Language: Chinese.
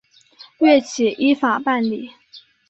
岳起依法办理。